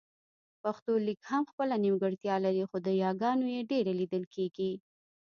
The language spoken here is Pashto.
پښتو لیک هم خپله نيمګړتیا لري خو د یاګانو يې ډېره لیدل کېږي